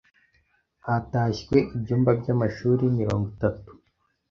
Hatashywe ibyumba by’amashuri mirongo itatu